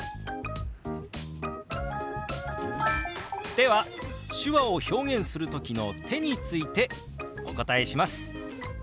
では手話を表現する時の「手」についてお答えします。